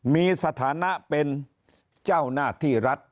มีสถานะเป็นเจ้าหน้าที่รัฐ